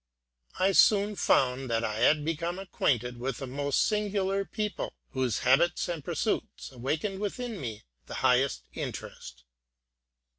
I soon found that I had become acquainted with a most singular people, whose habits and pursuits awakened within me the highest interest.